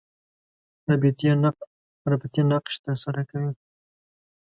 ربطي نقش تر سره کوي.